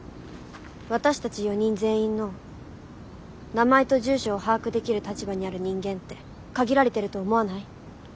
私たち４人全員の名前と住所を把握できる立場にある人間って限られてると思わない？